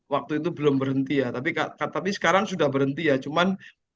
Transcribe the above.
waktu itu belum berhenti ya tapi sekarang sudah berhenti ya cuman